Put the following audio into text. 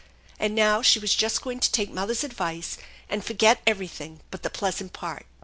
And now she was just going to take mother's advice and forget everything but the pleasant part.